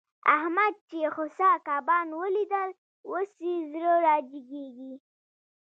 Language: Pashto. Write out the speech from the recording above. احمد چې خوسا کبان وليدل؛ اوس يې زړه را جيګېږي.